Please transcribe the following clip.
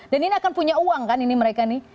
dan ini akan punya uang kan ini mereka nih